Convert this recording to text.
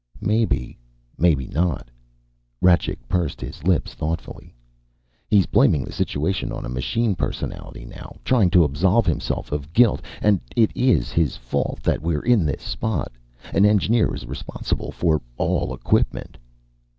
"Maybe, maybe not." Rajcik pursed his lips thoughtfully. "He's blaming the situation on a machine personality now, trying to absolve himself of guilt. And it is his fault that we're in this spot. An engineer is responsible for all equipment."